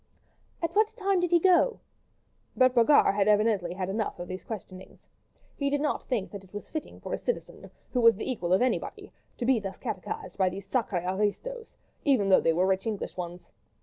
"At what time did he go?" But Brogard had evidently had enough of these questionings. He did not think that it was fitting for a citizen—who was the equal of anybody—to be thus catechised by these sacrrés aristos, even though they were rich English ones.